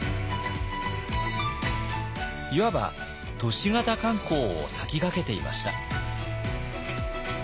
いわば都市型観光を先駆けていました。